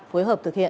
phối hợp thực hiện